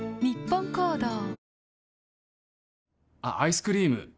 あっアイスクリーム